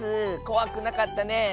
こわくなかったねえ。